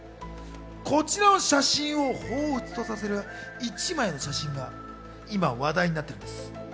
こちらの写真を彷彿とさせる一枚の写真が今、話題になっているんです。